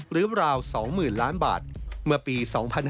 หรือเปล่า๒๐ล้านบาทเมื่อปี๒๕๕๕